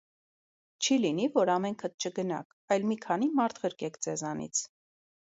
Չի լինի՞, որ ամենքդ չգնաք, այլ մի քանի մարդ ղրկեք ձեզանից: